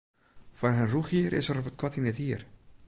Foar in rûchhier is er wat koart yn it hier.